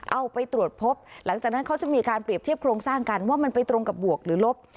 เอาไปตรวจพบหลังจากนั้นเขาจะมีการเปรียบเทียบโครงสร้างกันว่ามันไปตรงกับบวกหรือลบ